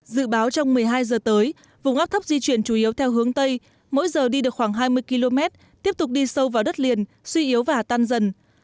dự báo trong một mươi hai giờ tới vùng áp thấp di chuyển chủ yếu theo hướng tây mỗi giờ đi được khoảng hai mươi km tiếp tục đi sâu vào đất liền suy yếu và tan dần